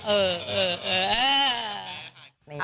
เออเออเออ